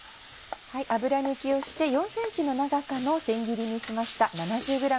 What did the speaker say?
油抜きをして４ｃｍの長さの千切りにしました。